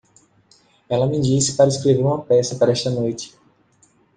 Ela me disse para escrever uma peça para esta noite.